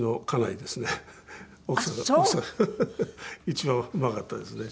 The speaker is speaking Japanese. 一番うまかったですね。